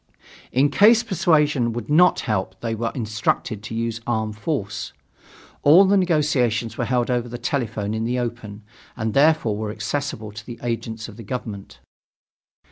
In case persuasion would not help they were instructed to use armed force. All the negotiations were held over the telephone in the open, and therefore were accessible to the agents of the government.